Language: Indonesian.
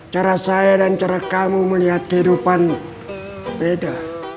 cara saya dan cara kamu melihat kehidupanmu beda